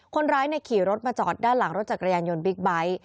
คนร้ายขี่รถมาจอดด้านหลังรถจักรยานยนต์บิ๊กไบท์